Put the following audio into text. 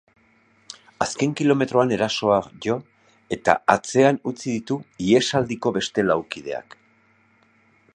Azken kilometroan erasoa jo, eta atzean utzi ditu ihesaldiko beste lau kideak.